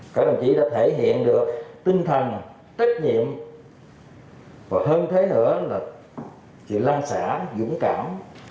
các đồng chí đã thể hiện được tinh thần trách nhiệm và hơn thế nữa là sự lan xả dũng cảm